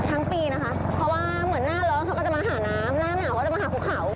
ทั้งปีนะคะเพราะว่าเหมือนหน้าร้อนเขาก็จะมาหาน้ำหน้าหนาวเขาจะมาหาภูเขา